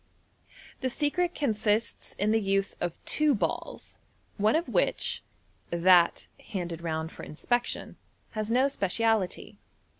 The secret consists in the use of two balls, one of which (that handed round for inspection) has no speciality.